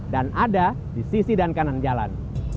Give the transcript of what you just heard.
dan ada di sisi dan kanan jalan